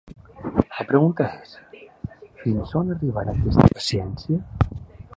La pregunta és: fins on arribarà aquesta paciència?